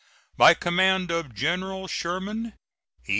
By command of General Sherman: E.